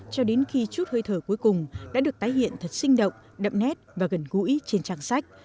cho đến khi chút hơi thở cuối cùng đã được tái hiện thật sinh động đậm nét và gần gũi trên trang sách